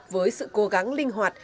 với sự cố gắng linh hoạt